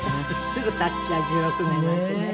すぐ経っちゃう１６年なんてね。